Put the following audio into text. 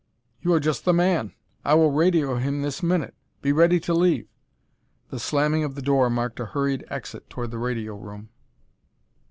You are just the man; I will radio him this minute. Be ready to leave " The slamming of the door marked a hurried exit toward the radio room.